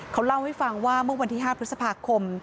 เขาเล่าให้ฟังว่าเมื่อวันที่๕พฤษภาคม